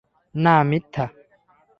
না, মিথ্যা।